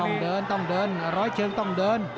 ต้องเดินต้องเดินร้อยเชิงต้องเดิน